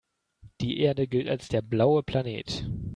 Die Erde gilt als der „blaue Planet“.